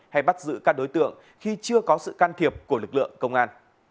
hay bắt giữ các đối tượng khi chưa có sự can thiệp của lực lượng công an